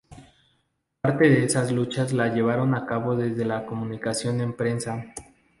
Parte de esas luchas la llevaron a cabo desde la comunicación en prensa.